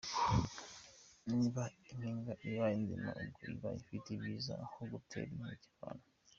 Niba impinga ibaye nzima ubwo iba ifite ibyiza aho gutera inkeke abantu.